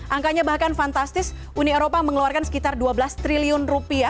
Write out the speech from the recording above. angkanya bahkan fantastis uni eropa mengeluarkan sekitar dua belas triliun rupiah